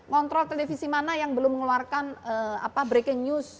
ngontrol televisi mana yang belum mengeluarkan breaking news